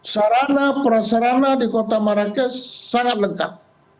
sarana prasarana di kota marrakesh sangat lengkap